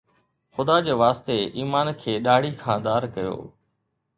خدا جي واسطي، ايمان کي ڏاڙهي کان ڌار ڪيو